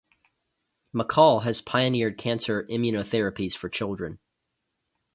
Mackall has pioneered cancer immunotherapies for children.